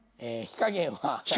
火加減は？